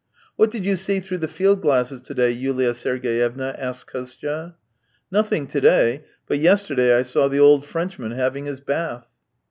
" What did you see through the field glasses to day ?" Yulia Sergeyevna asked Kostya. " Nothing to day, but yesterday I saw the old Frenchman having his bath."